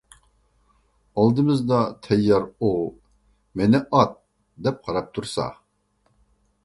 ئالدىمىزدا تەييار ئوۋ «مېنى ئات! » دەپ قاراپ تۇرسا.